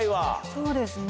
そうですね。